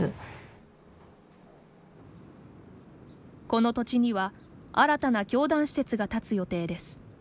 この土地には新たな教団施設が建つ予定です。